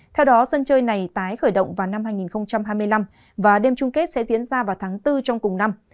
theo đó sân chơi này tái khởi động vào năm hai nghìn hai mươi năm và đêm chung kết sẽ diễn ra vào tháng bốn trong cùng năm